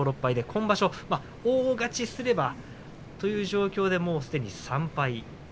今場所、大勝ちすればという状況ですが、すでに３敗。